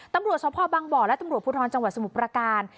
ตำรวจทพบและตำรวจพจังหวัดสมุปราการ